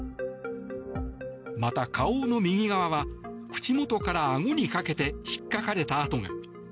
また、顔の右側は口元からあごにかけて引っかかれた痕が。